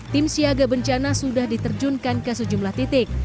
tim siaga bencana sudah diterjunkan ke sejumlah titik